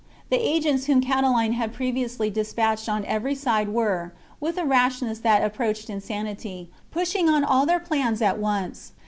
The agents whom Catiline had previously despatched on every side were, with a rashness that approached insanity, pushing on all their plans at once.